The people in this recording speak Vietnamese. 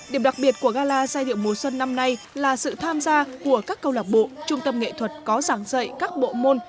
điểm đặc biệt của gala giai điệu mùa xuân năm nay là sự tham gia của các câu lạc bộ trung tâm nghệ thuật có giảng dạy các bộ môn